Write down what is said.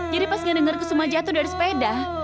jadi pas ngedengar kusuma jatuh dari sepeda